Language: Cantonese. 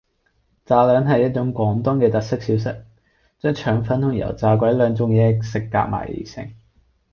炸兩係一種廣東嘅特色小食，將腸粉同油炸鬼兩種嘢食夾埋而變成